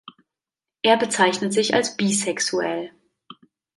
Er bezeichnet sich als bisexuell.